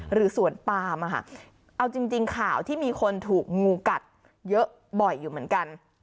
หรือสวนปามเอาจริงข่าวที่มีคนถูกงูกัดเยอะบ่อยอยู่เหมือนกัน